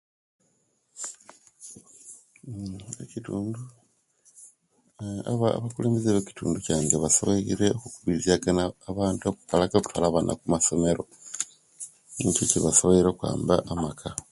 Uuu ekitundu aaa abaa abakulembeze mukitundu kyange basobweire okukubirizia gana abantu okukola ki okutwala abana kumasomero nicho kyebasobweire okuyamba amaka